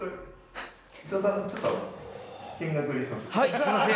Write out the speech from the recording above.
すみません。